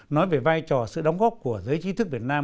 nói về vai trò sự đóng góp của giới trí thức việt nam